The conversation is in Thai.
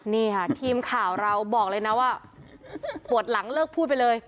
นี่ค่ะทีมข่าวเราบอกเลยนะว่าปวดหลังเลิกพูดไปเลย